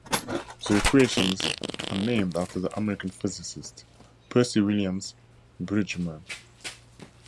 The equations are named after the American physicist Percy Williams Bridgman.